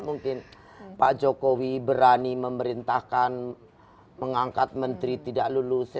mungkin pak jokowi berani memerintahkan mengangkat menteri tidak lulus